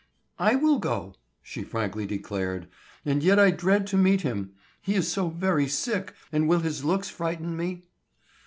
"I will go," she frankly declared. "And yet I dread to meet him. Is he so very sick, and will his looks frighten me?"